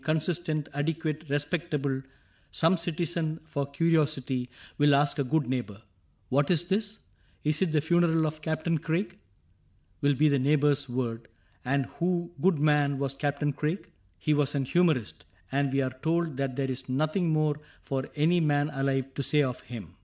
Consistent, adequate, respectable, — Some citizen, for curiosity. Will ask of a good neighbor, * What is this ?'—^ It is the funeral of Captain Craig,' Will be the neighbor's word. —' And who, good man. Was Captain Craig ?'—' He was an humorist ; And we are told that there is nothing more For any man alive to say of him.'